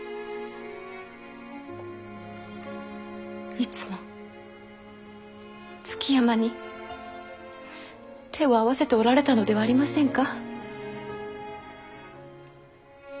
いつも築山に手を合わせておられたのではありませんか？